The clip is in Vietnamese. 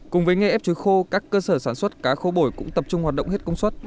cùng với nghề ép chuối khô các cơ sở sản xuất cá khô bổi cũng tập trung hoạt động hết công suất